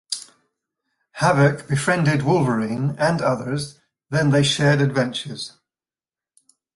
Havok befriended Wolverine and others, then they shared adventures.